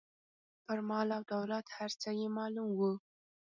پر مال او دولت هر څه یې پام و.